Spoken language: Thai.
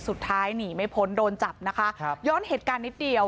สุดท้ายหนีไม่พ้นโดนจับนะคะครับย้อนเหตุการณ์นิดเดียว